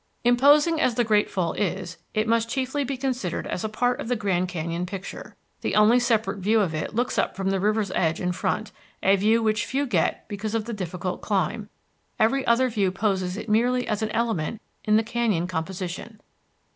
Imposing as the Great Fall is, it must chiefly be considered as a part of the Grand Canyon picture. The only separate view of it looks up from the river's edge in front, a view which few get because of the difficult climb; every other view poses it merely as an element in the canyon composition.